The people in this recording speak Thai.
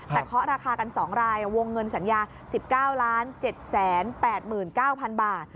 แต่เคาะราคากัน๒รายวงเงินสัญญา๑๙๗๘๙๐๐บาท